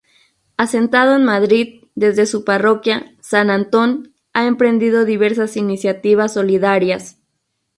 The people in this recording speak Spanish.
Asentado en Madrid, desde su parroquia, San Antón, ha emprendido diversas iniciativas solidarias.